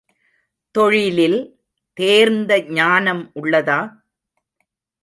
தொழிலில் தேர்ந்த ஞானம் உள்ளதா?